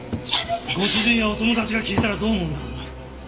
ご主人やお友達が聞いたらどう思うんだろうな？